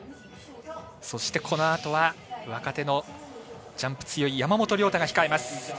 そして、このあとは若手のジャンプ強い山本涼太が控えます。